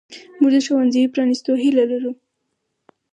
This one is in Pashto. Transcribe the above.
موږ د ښوونځیو پرانیستو هیله لرو.